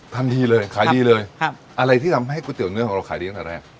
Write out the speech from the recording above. ทันทีเลยขายดีเลยครับอะไรที่ทำให้ก๋วเนื้อของเราขายดีตั้งแต่แรก